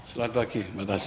selamat pagi mbak tasha